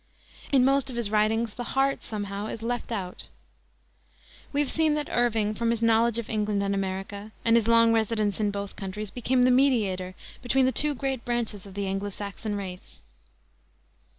In most of his writings the heart, somehow, is left out. We have seen that Irving, from his knowledge of England and America, and his long residence in both countries, became the mediator between the two great branches of the Anglo Saxon race.